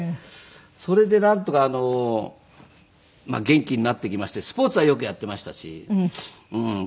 それでなんとかまあ元気になってきましてスポーツはよくやっていましたしうん。